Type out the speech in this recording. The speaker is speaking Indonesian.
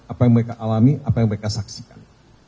apa yang mereka alami apa yang mereka saksikan